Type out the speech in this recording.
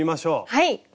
はい！